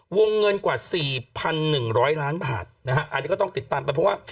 วงเงินกว่า๔๑๐๐ล้านบาทนะฮะอันนี้ก็ต้องติดตามไปเพราะว่า